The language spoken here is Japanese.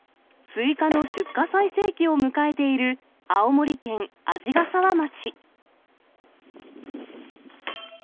スイカの出荷最盛期を迎えている青森県鯵ケ沢町。